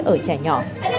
ở trẻ nhỏ